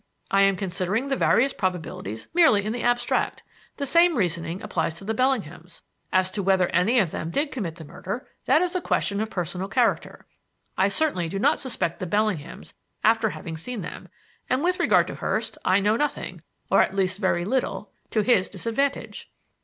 I am considering the various probabilities merely in the abstract. The same reasoning applies to the Bellinghams. As to whether any of them did commit the murder, that is a question of personal character. I certainly do not suspect the Bellinghams after having seen them, and with regard to Hurst, I know nothing, or at least very little, to his disadvantage."